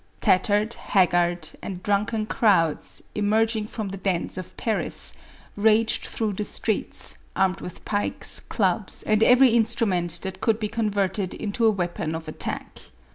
Tattered, haggard, and drunken crowds, emerging from the dens of Pans, raged through the streets, armed with pikes, clubs, and every instru ment that could be converted into a weapon of attack.